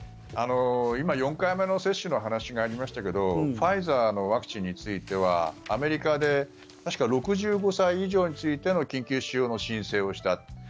今、４回目の接種の話がありましたけどファイザーのワクチンについてはアメリカで確か６５歳以上についての緊急使用の申請をした。